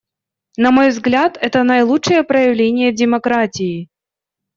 На мой взгляд, это наилучшее проявление демократии.